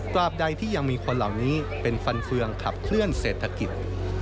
ใดที่ยังมีคนเหล่านี้เป็นฟันเฟืองขับเคลื่อนเศรษฐกิจ